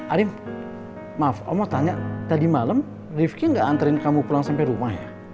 arin maaf om mau tanya tadi malam ripki nggak anterin kamu pulang sampai rumah ya